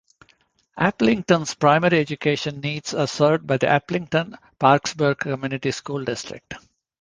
Aplington's primary education needs are served by the Aplington-Parkersburg Community School District.